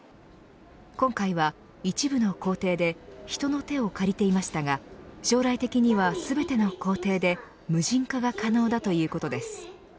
今回は一部の工程で人の手を借りていましたが将来的には全ての工程で無人化が可能だということです。